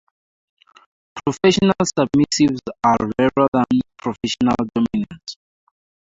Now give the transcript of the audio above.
Professional submissives are rarer than professional dominants.